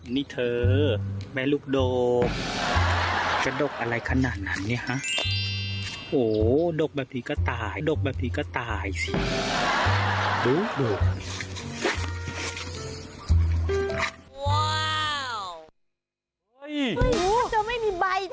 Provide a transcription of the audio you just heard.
นี่เธอแม่ลูกดกจะดกอะไรขนาดนั้นเนี่ยน่ะโอยดกแบบนี้ก็ตายเสีย